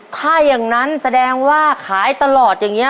ถ้าอย่างนั้นแสดงว่าขายตลอดอย่างนี้